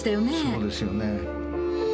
そうですよね。